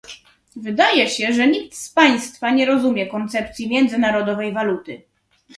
Wydaje się, że nikt z Państwa nie rozumie koncepcji międzynarodowej waluty